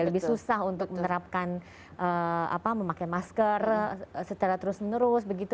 lebih susah untuk menerapkan memakai masker secara terus menurut